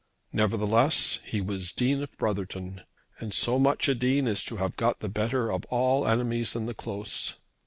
Nevertheless he was Dean of Brotherton, and so much a Dean as to have got the better of all enemies in the Close.